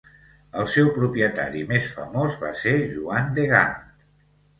El seu propietari més famós va ser Joan de Gant.